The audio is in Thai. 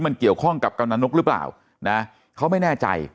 มันเกี่ยวข้องกับกำลังนกหรือเปล่านะเขาไม่แน่ใจ